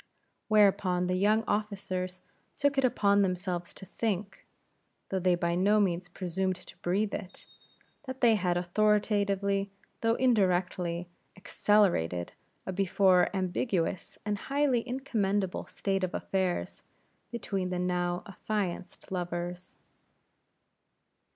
Whereupon, the young officers took it upon themselves to think though they by no means presumed to breathe it that they had authoritatively, though indirectly, accelerated a before ambiguous and highly incommendable state of affairs between the now affianced lovers.